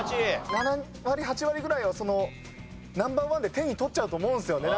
７割８割ぐらいはそのＮｏ．１で手に取っちゃうと思うんですよね。